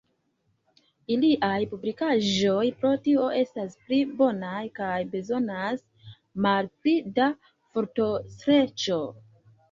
Iliaj publikaĵoj pro tio estas pli bonaj kaj bezonas malpli da fortostreĉo.